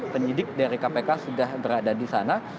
penyidik dari kpk sudah berada di sana